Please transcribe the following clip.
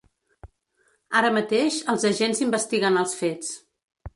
Ara mateix, els agents investiguen els fets.